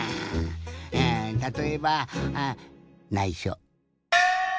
たとえばないしょ。